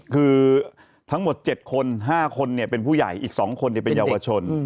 คือทั้งหมด๗คน๕คนเป็นผู้ใหญ่อีก๒คนเป็นเยาวชน